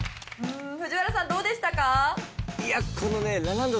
藤原さんどうでしたか？